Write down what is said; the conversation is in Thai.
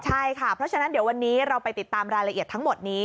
ใช่ค่ะเพราะฉะนั้นเดี๋ยววันนี้เราไปติดตามรายละเอียดทั้งหมดนี้